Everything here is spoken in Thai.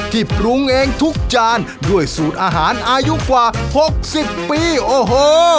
ปรุงเองทุกจานด้วยสูตรอาหารอายุกว่าหกสิบปีโอ้โห